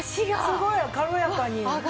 すごい軽やかに。